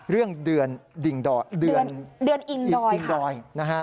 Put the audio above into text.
เรื่องเดือนดิงดอย